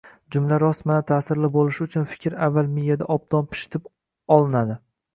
Jumla rostmana ta’sirli bo‘lishi uchun fikr avval miyada obdan pishitib olinadi.